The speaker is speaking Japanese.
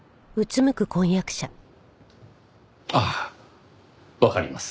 ああわかります。